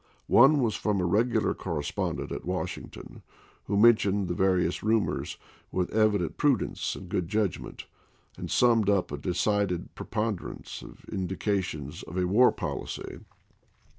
One was from a regular correspondent at Washington who mentioned the various rumors with evident prudence and good judgment, and summed up a decided preponderance of indica tions of a war policy.